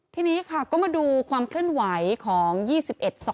ทีนี้ค่ะก็มาดูความเคลื่อนไหวของ๒๑๒